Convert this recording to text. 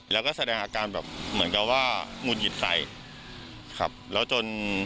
แล้วก็แสดงอาการแบบเหมือนกับว่าหงุดหงิดใส่ครับแล้วจน